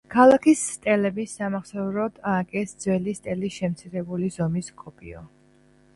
ქალაქის სტელების სამახსოვროდ ააგეს ძველი სტელის შემცირებული ზომის კოპიო.